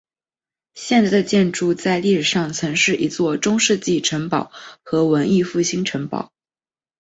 现在的建筑在历史上曾是一座中世纪城堡和文艺复兴城堡。